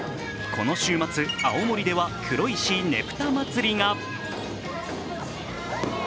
この週末、青森では黒石ねぷた祭りが。